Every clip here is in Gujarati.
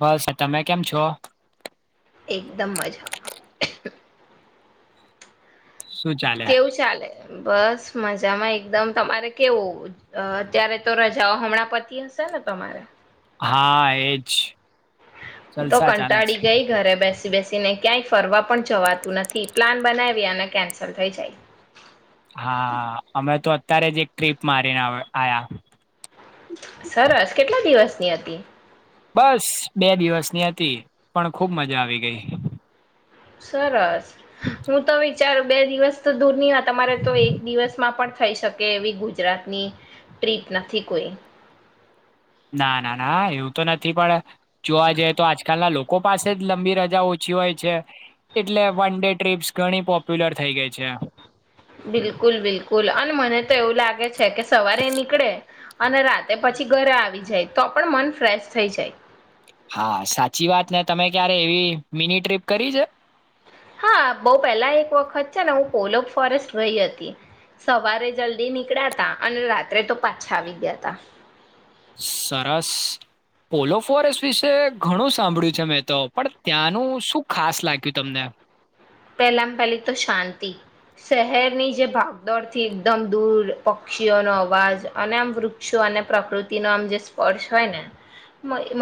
બસ તમે કેમ છો એકદમ મજામાં શું ચાલે કેવું ચાલે બસ મજામાં એકદમ તમારે કેવું અત્યારે તો રજાઓ હમણાં પતિ હશે ને તમારે હા એ જ હું તો કંટાળી ગઈ ઘરે બેસી ને ક્યાંય ફરવા પણ જવાતું નથી પ્લાન બનાવી અને કેન્સલ થઈ જાય. હા અમે તો અત્યારે જ એક ટ્રીપ મારીને આયા. સરસ કેટલા દિવસની હતી. બસ બે દિવસની હતી પણ ખૂબ મજા આવી ગઈ. સરસ હું તો વિચાર બે દિવસ તો દૂરની તમારે તો એક દિવસમાં પણ થઈ શકે એવી ગુજરાતની ટ્રીપ નથી કોઈ ના ના ના એવું તો નથી પણ જોવા જઈએ તો આજકાલના લોકો પાસે જ લંબી રજા ઓછી હોય છે એટલે વન ડે ટ્રીપ્સ ઘણી પોપ્યુલર થઈ ગઈ છે. બોલો અને મને તો એવું લાગે છે. છે કે સવારે નીકળે અને રાતે પછી ઘરે આવી જાય તો પણ મન ફ્રેશ થઈ જાય હા સાચી વાત ને તમે ક્યારે એવી મિની ટ્રીપ કરી છે. હા બઉ પેલા એક વખત છે ને હું પોલો ફોરેસ્ટ વહી હતી. સવારે જલ્દી નીકળ્યા ત અને રાત્રે તો પાછા આવી ગયા તા. સરસ. પોલો ફોરેસ્ટ વિશે ઘણું સાંભળ્યું છે મેં તો પણ ત્યાંનું શું ખાસ લાગ્યું તમને. પહેલામાં પેલી તો શાંતિ શહેરની જે ભાગદોડ થી એકદમ દૂર પક્ષીઓનો અવાજ અને આમ વૃક્ષો અને પ્રકૃતિનો આમ જે સ્પર્શ હોય ને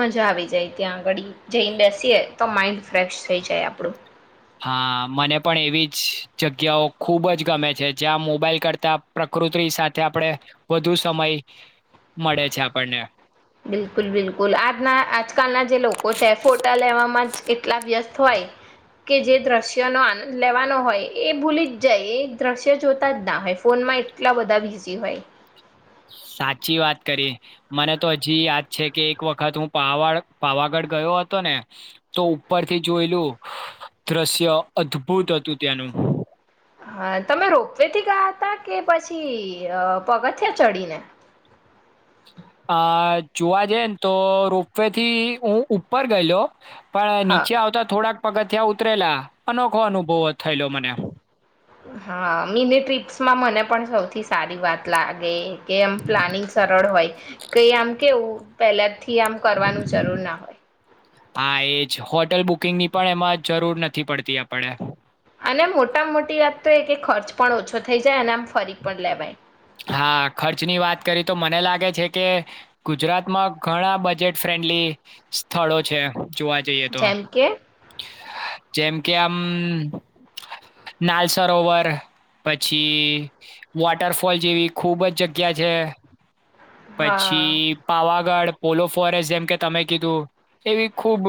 મજા આવી જાય ત્યાં આગળ જૈડસ. તો માઇન્ડ ફ્રેશ થઈ જાય આપણું. હા મને પણ એવી જ જગ્યાઓ ખૂબ જ ગમે છે જ્યાં મોબાઈલ કરતા પ્રકૃતિ સાથે આપણે વધુ સમય મળે છે આપણને. બિલકુલ બિલકુલ આજના આજકાલના જે લોકો છે ફોટા લેવામાં જ કેટલા વ્યસ્ત હોય. કે જે દ્રશ્યનો આન લેવાનો હોય એ ભૂલી જ જાય એ દ્રશ્ય જોતા જ ના હોય ફોનમાં એટલા બધા બીઝી હોય. સાચી વાત કરી મને તો હજી યાદ છે કે એક વખત હું પા પાવાગઢ ગયો હતો ને તો ઉપરથી જોયલું દ્રશ્ય અદભુત હતું ત્યાંનું. હા તમે રોપવે થી ગયા હતા કે પછી પગથયા ચડીને. આ જોવા જઈ ને તો રોપવે થી હું ઉપર ગયેલો. પણ હા નીચે આવતા થોડાક પગથિયાં ઉતરેલા અનોખો અનુભવ થયેલો મને. હા મિની ટ્ર્રીપ્સમાં મને પણ સૌથી સારી વાત લાગે. કે એમ પ્લાનિંગ સરળ હોય કઈ આમ કેવું પહેલા થી આમ કરવાનું જરૂર ના હોય હા એજ હોટલ બુકિંગ ની પણ એમાં જરૂર નથી પડતી આપડે અને મોટા મોટી વાત તો એ કે ખર્ચ પણ ઓછો થઈ જાય અને આમ ફરી પણ લેવાય હા ખર્ચની વાત કરી તો મને લાગે છે કે ગુજરાતમાં ઘણા બજેટ ફ્રેન્ડલી સ્થળો છે જોવા જઈએ તો જેમ કે જેમ કે આમ નાલ સરોવર પછી વોટરફો ફોલ જેવી ખૂબ જ જગ્યા છે પછી હા પાવાગઢ પોલો ફોરેસ્ટ જેમ કે તમે કીધું એવી ખુબ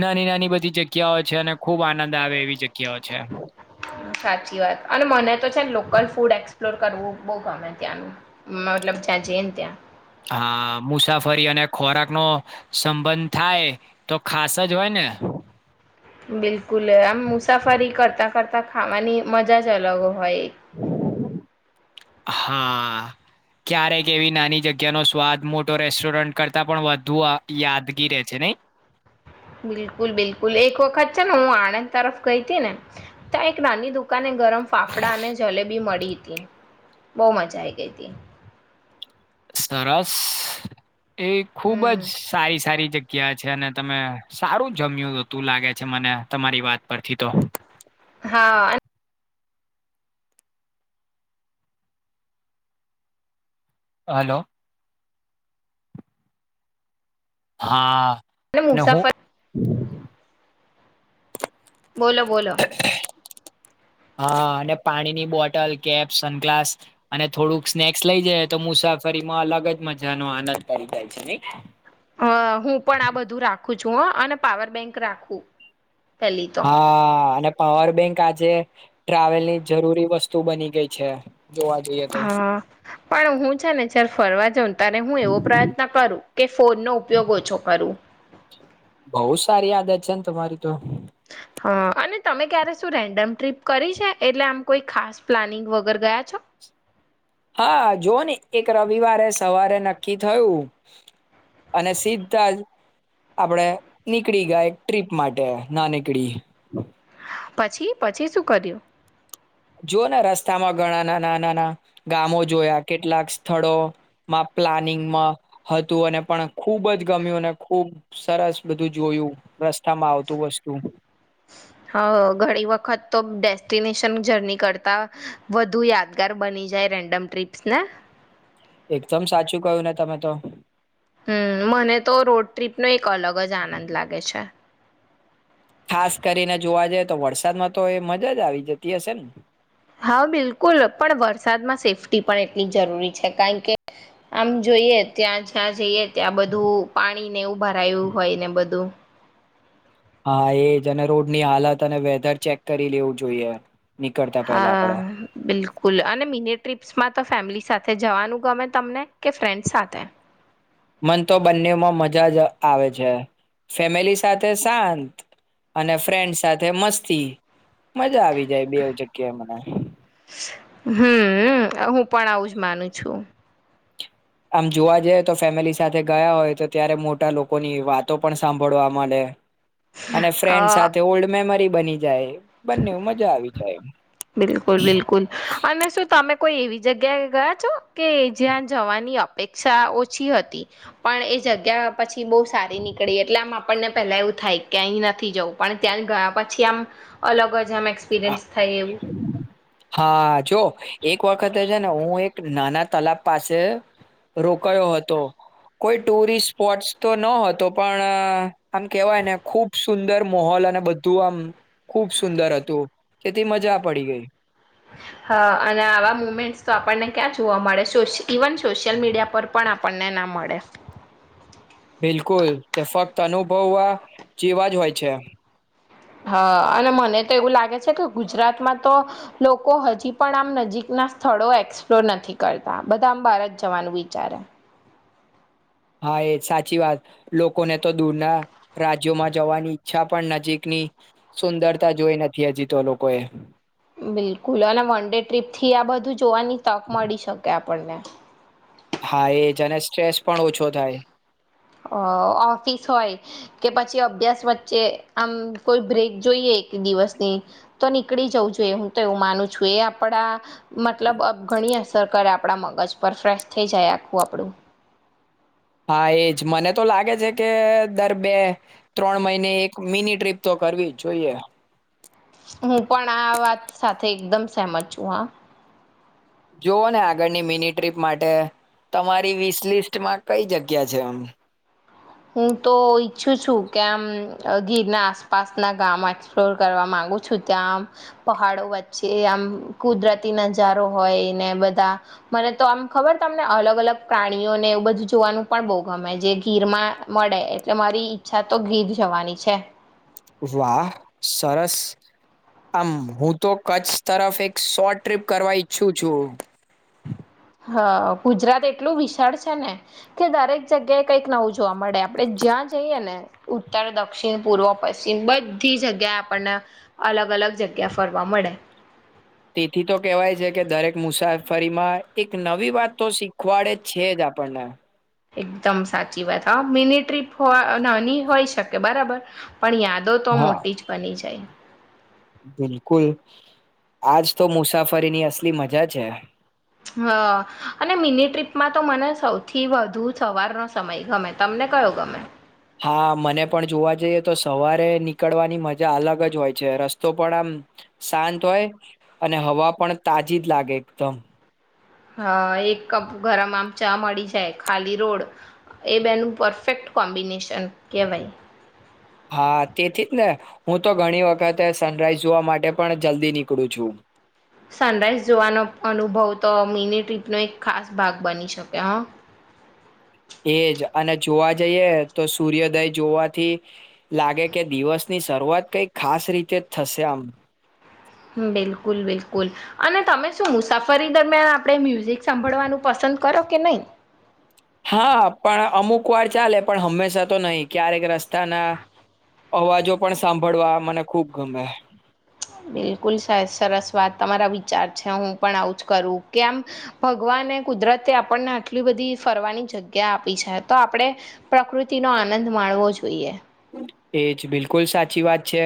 નાની નાની બધી જગ્યાઓ છે અને ખુબ આનંદ આવે એવી જગ્યાઓ છે સાચી વાત અને મને લોકલ ફૂડ એક્સપ્લોર કરવું બહુ ગમે ત્યાંનું મતલબ જ્યાં જઈ ને ત્યાં હા મુસાફરી અને ખોરાક નો સંબંધ થાય તો ખાસ જ હોય ને બિલકુલ આમ મુસાફરી કરતા કરતા ખાવાની મજા જ અલગ હો હો એક હા ક્યારેક એવી નાની જગ્યાનોો સ્વાદ મોટો રેસ્ટોરન્ટ કરતા પણ વધુ યાદગી રહે છે નઈ બિલકુલ બિલકુલ એક વખત છે ને હું આણંદ તરફ ગઈ હતી ને ત્યા એક નાની દુકાને ગરમ ફાફડા અને જલેબી મળી બહ મજા આઈ ગઈ હતી સરસ એ ખુબ જ હમ સારી સારી જગ્યા ગયા છે અને ત સારું જમ્યું હતું લાગે છે મને તમારી વાત પરથી તો હા હલો હા અને નહું મુસાફર બોલો બોલો હા અને પાણીની બોટલ કેપ સનગ્લાસ અને થોડુંક સ્નેક્સ લઇ જઈ તો મુસાફરીમાં અલગ જ મજા નો આનંદ પડી જાય છે નહી હ હું પણ આ બધું રાખું ૂજ અને પાવર બેંક રાખવું હા અને પાવર બેંક આજે ટ્રાવેલ ની જરૂરી વસ્તુ બની ગઈ છે જોવા જઈએ તો હા પણ હું છે ને જયારે ફરવા જાઉં ત્યારે હું એવો પ્રયત્ન કરું કે ફોન નો ઉપયોગ ઓછો કરું બહુ સારી આદત છે ને તમારી તો હ અને તમે ક્યારે શું રેન્ડમ ટ્રીપ કરી છે એટલે આમ કોઈ ખાસ પ્લાનિંગ વગર ગયા છો હા જોઓ ને એક રવિવારે સવારે નક્કી થયું અને સીધા જ આપણે નીકળી ગયા ટ્રીપ માટે ના નીકળી પછી પછી શું કર્યું જો ને રસ્તામાં ઘણા ના ના નાના ગામો જોયા કેટલાક સ્થળોમાં પ્લાનિંગમાં હતું અને પણ ખુબ જ ગમ્યું અને ખુબ સરસ બધું જોયુંતા છા માં આવતું વસ્તુ હ ઘણી વખત તો ડેસ્ટિનેશન જર્ની કરતાં વધુ યાદગાર બની જાય રેન્ડમ ટ્રીપ્સ ને એકદમ સાચું કયું ને તમે તો હમ મને તો રોડ ટ્રીપનોો એક અલગ જ આનંદ લાગે છે ખાસ કરીને જોવા જઈ તો વરસાદમાં તો એ મજા જ આવી જતી હશે ને હા બિલકુલ પણ વરસાદમાં સેફ્ટી પણ એટલી જરૂરી છે કારણ કે આમ જોઈએ ત્યાં જ્યાં જઈએ ત્યાં બધું પાણી ને ઉભા રું હોય ને બધું હા એજ અને રોડ ની હાલત અને વેધર ચેક કરી લેવું જોઈએ નીકળતા પેલા હા આપડે બિલકુલ અને મિની ટ્ર્રીપ્સમાં તો ફેમિલી સાથે જવાનું ગમે તમને કે ફ્રેન્ડ સાથે મન તો બંનેમાં મજા જ આવે છે ફેમિલી સાથે શાંત અને ફ્રેન્ડ સાથે મસ્તી મજા આવી જાય બે જગ ક્યા મને હમ હું પણ આવું જ માનું છું આમ જોવા જઈ તો ફેમિલી સાથે ગયા હોય તો ત્યારે મોટા લોકોની વાતો પણ સાંભળવા મળે અને ફ્રેન્ડ અ સાથે ઓલ્ડ મેમરી બની જાય બંને એવું મજા આવી જ એમ બિલકુલ બિલકુલ અને શું તમે કોઈ એવી જગ્યા ગયા છો કે જ્યાં જવાની અપેક્ષા ઓછી હતી પણ એ જગ્યા પછી બહુ સારી નીકળી એટલે આમ આપણને પેલા એવું થાય કે અહી નથી જવું પણ ત્યાં ગયા પછી આમ અલગ જ અમે એક્સપિરયસ થાય એવું હા જો એક વખતે છે ને હું એક નાના તલાબ પાસે રોકયો હતો કોઈ ટુરિસ્ટ સ્પોટસ તો ન હતો પણ આમ કેવાય ને ખુબ સુંદર મોહોલ અને બધું આમ ખુબ સુંદર હતું તેથી મજા પડી ગઈ હા અને આવા મુમેન્ટ તો આપણને ક્યાં જોવા મળે સોશિ ઇવન સોશિયલ મીડિયા પર પણ આપણે આપણને ના મળે બિલકુલ તે ફક્ત અનુભવવા જેવા જ હોય છે હા અને મને તો એવું લાગે છે કે ગુજરાતમાં તો લોકો હજી પણ આમ નજીકના સ્થળો એક્સપ્લોર નથી કરતા બધા આમ ભારત જવાનું વિચારે હા એ સાચી વાત લોકોને તો દૂરના રાજ્યોમાં જવાની ઈચ્છા પણ નજીકની સુંદરતા જોઈ નથી હજી તો લોકોએ બિલકુલ અને વન ડે ટ્રીપ થી આ બધું જોવાની તક મળી શકે આપ આપને હા એજ અને સ્ટ્રેસ પણ ઓછો થાય અ ઓફિસ હોય કે પછી અભ્યાસ વચ્ચે આમ કોઈ બ્રેક જોઈએ એક દિવસની તો નીકળી જવું જોઈએ હું તો એવું માનું છું એ આપડા મતલબ અબઘણી અસર કરે આપણા મગજ પર ફ્રેશ થઈ જાય આખું આપણું હા એજ મને તો લાગે છે કે દર બે ત્રણ મહિને એક મિની ટ્રીપ તો કરવી જ જોઈએ [inaudible] હું પણ આ વાત સાથે એકદમ સહેમ છું હ જોવુ ને આગળની મિની ટ્રીપ માટે તમારી વિસ લિસ્ટમાં કઈ જગ્યા છે આમ હું તો ઈચ્છું છું કે આમ ગીરના આસપાસના ગામ એક્સપ્લોર કરવા માંગુ છું ત્યાં આમ પહાડો વચ્ચે આમ કુદરતી નજારો હોય ને બધા મને તો આમ ખબર તમને અલગ અલગ પ્રાણીઓને એવું બધું જોવાનું પણ બહુ ગમે જે ગીરમાં મળે એટલે મારી ઈચ્છા તો ઘીર જવાની છે વાહ સરસ આમ હું તો કચ્છ તરફ એક શોર્ટ ટ્રીપ કરવા ઈચ્છું છું હા ગુજરાત એટલું વિશાળ છે ને કે દરેક જગ્યાએ કંઈક નવુ જોવા મળે આપડે જ્યાં જઈએ ને ઉત્તર દક્ષિણ પૂર્વ પશ્ચિમ બધી જગ્યાએ આપણને અલગ અલગ જગ્યા ફરવા મળે તેથી તો કેહેવાય છે કે દરેક મુસાફરીમાં એક નવી વાત તો શીખવાડે જ છે જ આપણને એકદમ સાચી વાત હા મિની ટ્રીપ હો નાની હોય શકે બરાબર પણ યાદો તો હા મોટી જ બની જાય બિલકુલ આજ તો મુસાફરીની અસલી મજા છે હ અને મિની ટ્રીપમાં તો મને સૌથી વધુ સવારનો સમય ગમે તમને કયો ગમે હા મને પણ જોવા જઈએ તો સવારે નીકળવાની મજા અલગ જ હોય છે રસ્તો પણ આમ શાંત હોય અને હવા પણ તાજી જ લાગે એકદમ હ એક કપ ગરમ આમ ચા મળી જાય ખાલી રોડ એ બેનું પરફેક્ટ કોમ્બિનેશન કહેવાય હા તેથી જ ને હું તો ઘણી વખતે સનરાઈઝ જોવા માટે પણ જલ્દી નીકળું છું સનરાઈઝ જોવાનો અનુભવ તો મિની ટ્રીપનો એક ખાસ ભાગ બની શકે હ એજ અને જોવા જઈએ તો સૂર્યોદય જોવાથી લાગે કે દિવસ ની શરૂઆત કઈ ખાસ રીતે થશે આમ બિલકુલ બિલકુલ અને તમે શું મુસાફરી દરમિયાન આપણે મ્યુઝિક સાંભળવાનું પસંદ કરો કે નહી હા પણ અમુક વાર ચાલે પણ હંમેશા તો નહી ક્યારેક રસ્તાના અવાજો પણ સાંભળવા મને ખુબ ગમે. બિલકુલ સા સરસ વાત તમારા વિચાર છે હું પણ આવું જ કરું કે આમ ભગવાને કુદરતે આપણને આટલી બધી ફરવાની જગ્યા આપી છે તો આપડે પ્રકૃતિનો આનંદ માણવો જોઈએ. એજ બિલકુલ સાચી વાત છે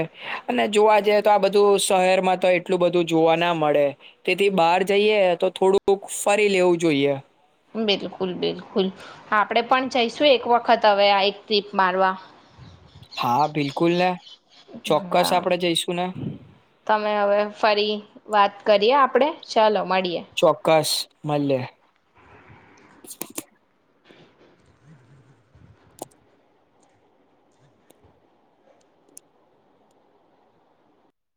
અને જોવા જઈએ તો આ બધું શહેરમાં તો એટલું બધું જોવા ના મળે તેથી બહાર જઈએ તો થોડુંક ફરી લેવું જોઈએ. બિલકુલ બિલકુલ આપડે પણ જઈશું એક વખત હવે આ એક ટ્રીપ મારવા હા બિલકુલ ને ચોક્કસ હા આપડે જઈશું ને. તમે હવે ફરી વાત કરીએ આપડે ચાલો. મળીએ ચોક્કસ. મલે.